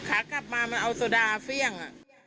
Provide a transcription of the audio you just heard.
ขากลับมามันเอาสดาเฟี้ยงอ่ะ